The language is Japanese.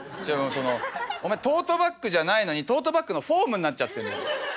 そのお前トートバッグじゃないのにトートバッグのフォームになっちゃってんの。